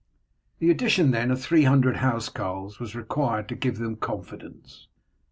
The addition then of three hundred housecarls was required to give them confidence.